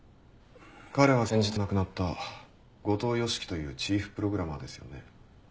彼は先日亡くなった後藤芳樹というチーフプログラマーですよね？